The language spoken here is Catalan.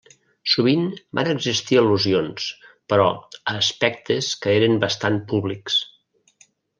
Sovint van existir al·lusions, però, a aspectes que eren bastant públics.